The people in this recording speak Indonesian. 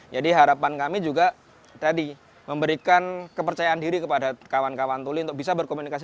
jadi harapan kami juga tadi memberikan kepercayaan diri kepada kawan kawan tuli untuk bisa berkomunikasi